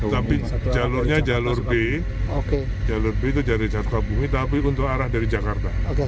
tapi jalurnya jalur b jalur b itu jalur jakarta bumi tapi untuk arah dari jakarta